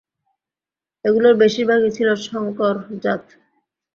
এগুলোর বেশির ভাগই ছিল সংকর জাত।